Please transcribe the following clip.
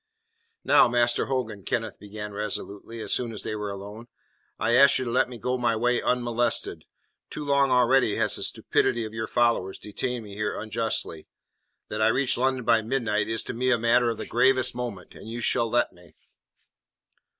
"Now, Master Hogan," Kenneth began resolutely as soon as they were alone, "I ask you to let me go my way unmolested. Too long already has the stupidity of your followers detained me here unjustly. That I reach London by midnight is to me a matter of the gravest moment, and you shall let me."